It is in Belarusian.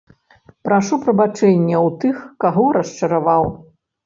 Прашу прабачэння ў тых, каго расчараваў.